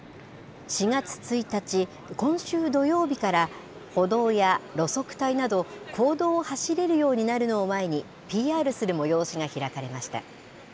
４月１日、今週土曜日から、歩道や路側帯など公道を走れるようになるのを前に、ＰＲする催しが開かれました。